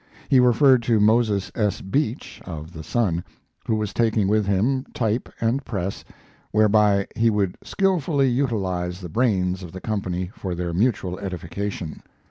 He referred to Moses S. Beach, of the Sun, who was taking with him type and press, whereby he would "skilfully utilize the brains of the company for their mutual edification."